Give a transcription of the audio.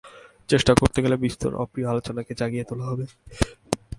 চেষ্টা করতে গেলেই বিস্তর অপ্রিয় আলোচনাকে জাগিয়ে তোলা হবে।